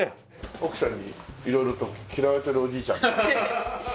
奥さんに色々と嫌われてるおじいちゃん。